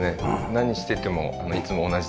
何しててもいつも同じところなので。